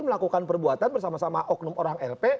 melakukan perbuatan bersama sama oknum orang lp